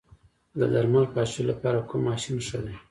د درمل پاشلو لپاره کوم ماشین ښه دی؟